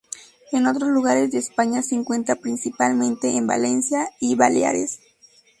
En otros lugares de España se encuentra principalmente en Valencia y Baleares.